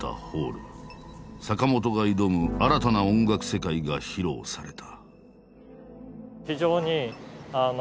坂本が挑む新たな音楽世界が披露された。